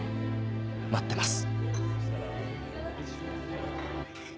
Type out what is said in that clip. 待ってます。